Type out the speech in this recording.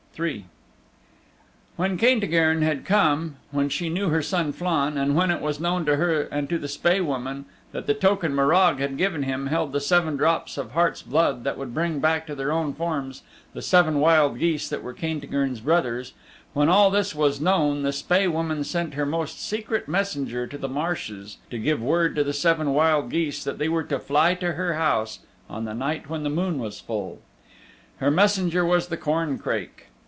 III When Caintigern had come, when she knew her son Flann, and when it was known to her and to the Spae Woman that the token Morag had given him held the seven drops of heart's blood that would bring back to their own forms the seven wild geese that were Caintigern's brothers when all this was known the Spae Woman sent her most secret messenger to the marshes to give word to the seven wild geese that they were to fly to her house on the night when the moon was full. Her messenger was the corncrake.